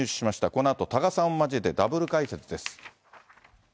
このあと多賀さんを交えてダブル解説です。